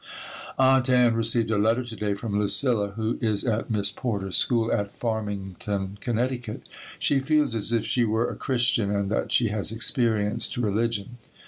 Aunt Ann received a letter to day from Lucilla, who is at Miss Porter's school at Farmington, Connecticut. She feels as if she were a Christian and that she has experienced religion.